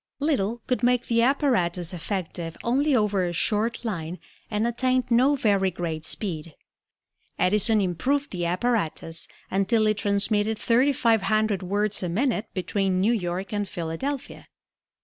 Little could make the apparatus effective only over a short line and attained no very great speed. Edison improved the apparatus until it transmitted thirty five hundred words a minute between New York and Philadelphia.